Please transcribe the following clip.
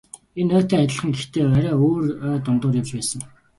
Энэ ойтой адилхан гэхдээ арай өөр ой дундуур явж байсан.